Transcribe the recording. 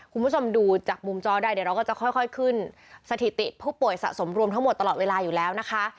คุณผู้ชมดูจากมุมจอได้เดี๋ยวเราก็จะค่อยขึ้นสถิติผู้ป่วยสะสมรวมทั้งหมดตลอดเวลาอยู่แล้วนะคะ